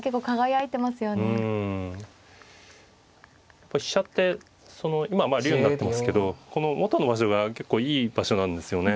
やっぱり飛車ってその今竜になってますけどこの元の場所が結構いい場所なんですよね。